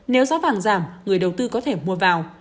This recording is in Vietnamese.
nếu giá vàng giảm người đầu tư có thể mua vào